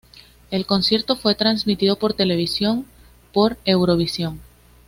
El concierto fue transmitido por televisión por Eurovisión.